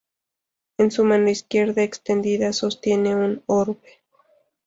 En su mano izquierda extendida sostiene un orbe.